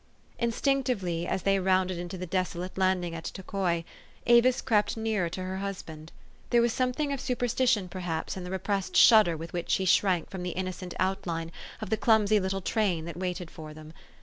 Instinctively, as they rounded into the desolate landing at Tocoi, Avis crept nearer to her husband. There was something of superstition, perhaps, in the repressed shudder with which she shrank from the innocent outline of the clumsy little train that waited for them.